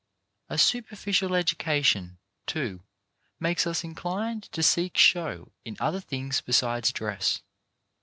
A superficial education, too, makes us inclined to seek show in other things besides dress.